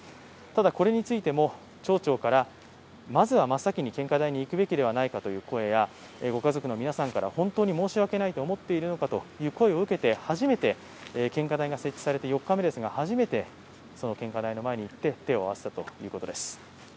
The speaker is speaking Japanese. ただ、これについても町長から、まずは真っ先に献花台に行くべきではないかという声やご家族の皆さんから本当に申し訳ないと思っているのかという声を受けて初めて献花台が設置されて４日目ですが、初めてその献花台の前に行って手を合わせたということです。